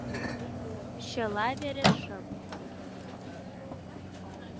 Чыла вере шып.